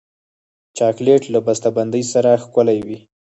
چاکلېټ له بسته بندۍ سره ښکلی وي.